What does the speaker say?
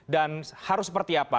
dan harus seperti apa